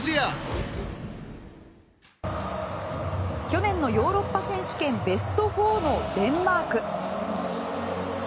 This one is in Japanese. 去年のヨーロッパ選手権ベスト４のデンマーク。